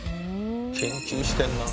研究してるな。